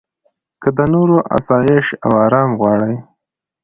که د نورو اسایش او ارام غواړې.